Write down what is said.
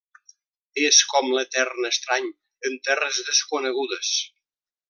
És com l'etern estrany en terres desconegudes.